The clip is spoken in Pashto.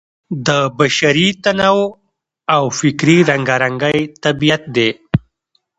د بشري تنوع او فکري رنګارنګۍ طبیعت دی.